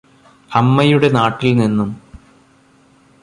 അമ്മയുടെ നാട്ടില് നിന്നും